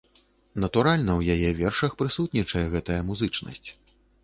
Натуральна, у яе вершах прысутнічае гэтая музычнасць.